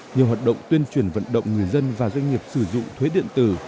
nhiều hoạt động tuyên truyền vận động người dân và doanh nghiệp sử dụng thuế điện tử